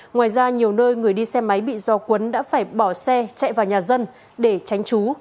ngoài ra nhiều nơi người đi xe máy bị do quấn đã phải bỏ xe chạy vào nhà dân để tránh trú